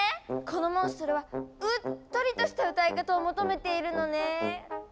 このモンストロはうっとりとした歌い方を求めているのね。